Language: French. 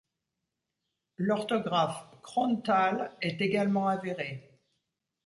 L’orthographe Cronthal est également avérée.